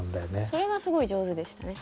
それがすごい上手でしたね。